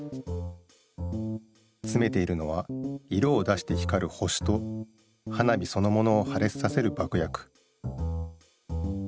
つめているのは色を出して光る星と花火そのものを破裂させる爆薬。